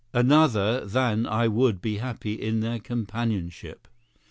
Another than I would be happy in their companionship.